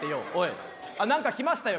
あっ何か来ましたよ